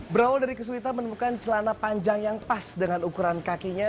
berawal dari kesulitan menemukan celana panjang yang pas dengan ukuran kakinya